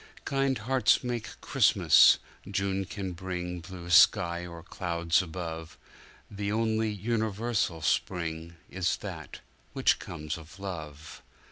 Kind hearts make Christmas—June can bring blue sky or clouds above; The only universal spring is that which comes of love.